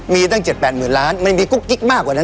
มีตั้ง๗๘หมื่นล้านมันมีกุ๊กกิ๊กมากกว่านั้น